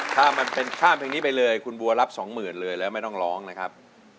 ถ้ามันเป็นข้ามเพลงนี้ไปเลยคุณบัวรับสองหมื่นเลยแล้วไม่ต้องร้องนะครับ